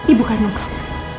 ibu kandung kamu